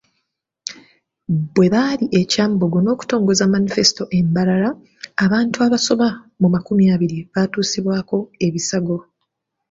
Bwe baali e Kyambogo n'okutongoza Manifesito e Mbarara, abantu abasoba mu makumi abiri baatuusibwako ebisago.